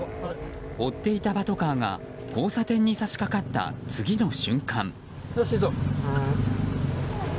追っていたパトカーが交差点に差し掛かった次の瞬間。